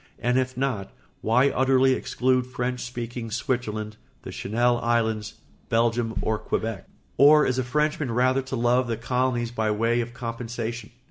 And if not, why utterly exclude French speaking Switzerland, the Channel Islands, Belgium, or Quebec? Or is a Frenchman rather to love the colonies by way of compensation?